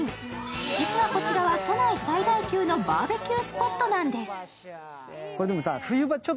実はこちらは都内最大級のバーベキュースポットなんです。